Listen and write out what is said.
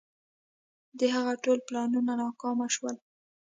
د هغه ټول پلانونه ناکام شول.